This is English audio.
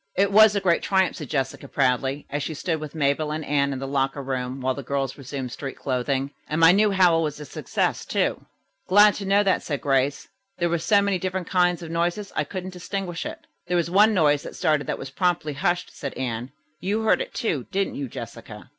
"It was a great triumph," said Jessica proudly, as she stood with Mabel and Anne in the locker room while the girls resumed street clothing. "And my new howl was a success, too." "Glad to know that," said Grace. "There were so many different kinds of noises I couldn't distinguish it." "There was one noise that started that was promptly hushed," said Anne. "You heard it, too, didn't you Jessica?"